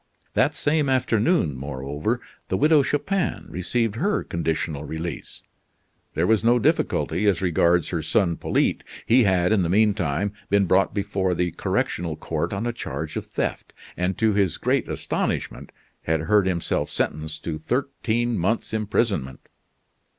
That same afternoon, moreover, the Widow Chupin received her conditional release. There was no difficulty as regards her son, Polyte. He had, in the mean time, been brought before the correctional court on a charge of theft; and, to his great astonishment, had heard himself sentenced to thirteen months' imprisonment.